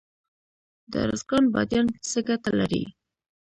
د ارزګان بادیان څه ګټه لري؟